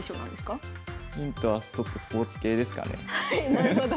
なるほど。